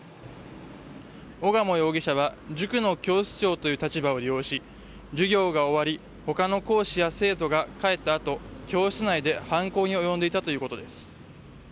小鴨容疑者は塾の教室長という立場を利用し授業が終わり他の講師や生徒が帰った後教室内で犯行に及んでいたということです。